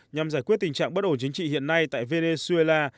nhằm giải quyết tình trạng bất ổn chính trị hiện nay tại venezuela